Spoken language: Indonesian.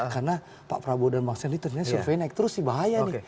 karena pak prabowo dan bang seniternya survei naik terus bahaya nih